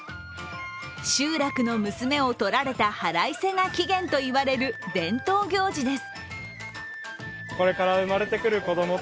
集落の娘を取られた腹いせが起源と言われる伝統行事です。